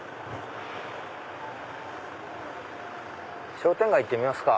商店街行ってみますか。